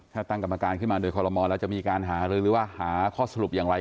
ถ้าตั้งกรรมการขึ้นมาโดยคอลโมแล้วจะมีการหารือหรือว่าหาข้อสรุปอย่างไร